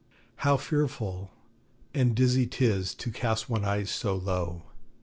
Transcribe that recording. How fearful And dizzy 'tis to cast one's eyes so low! ...